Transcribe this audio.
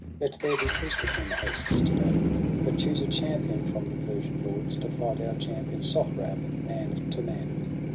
Let there be truce between the hosts to day. But choose a champion from the Persian lords To fight our champion Sohrab, man to man.'